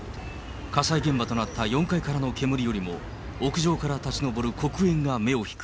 火災現場となった４階からの煙よりも、屋上から立ち上る黒煙が目を引く。